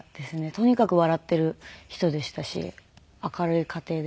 とにかく笑っている人でしたし明るい家庭でした。